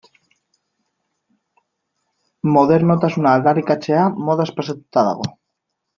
Modernotasuna aldarrikatzea modaz pasatuta dago.